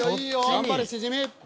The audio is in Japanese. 頑張れシジミ！